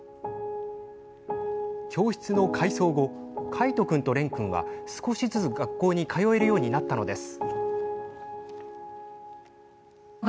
教室の改装後海斗君と蓮君は少しずつ学校に通えるようになったのです。